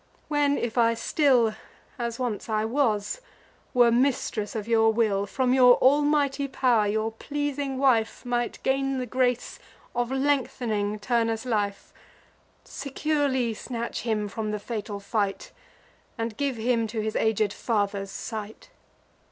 when, if I still (As once I was) were mistress of your will, From your almighty pow'r your pleasing wife Might gain the grace of length'ning Turnus' life, Securely snatch him from the fatal fight, And give him to his aged father's sight.